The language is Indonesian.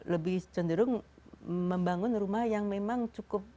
lebih cenderung membangun rumah yang memang cukup